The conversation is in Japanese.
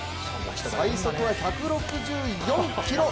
最速は１６４キロ。